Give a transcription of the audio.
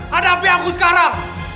hadapi aku sekarang